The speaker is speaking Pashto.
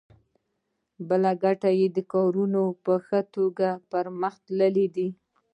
بله ګټه یې د کارونو په ښه توګه پرمخ تلل دي.